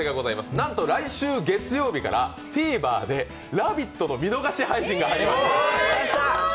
なんと来週月曜日からＴＶｅｒで「ラヴィット！」の見逃し配信が始まります。